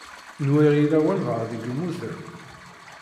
Nwiɣ yella walebɛaḍ i yemmuten.